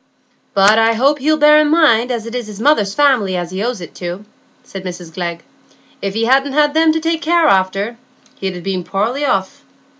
"But I hope he'll bear in mind as it's his mother's family as he owes it to," said Mrs Glegg. "If he hadn't had them to take after, he'd ha' been poorly off.